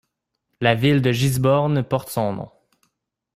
La ville de Gisborne porte son nom.